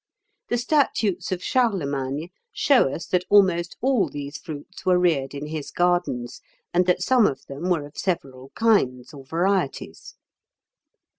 The statutes of Charlemagne show us that almost all these fruits were reared in his gardens, and that some of them were of several kinds or varieties.